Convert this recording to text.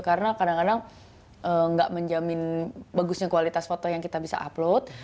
karena kadang kadang gak menjamin bagusnya kualitas foto yang kita bisa upload